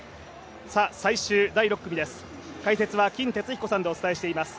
最終第６組です。